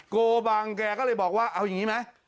โกบังแกก็เลยบอกว่าเอาอย่างนี้ไหม